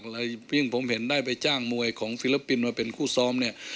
เพราะอย่างผมเห็นได้ไปจ้างมวยของฟิลัปปินมาเป็นคู่ซ้อม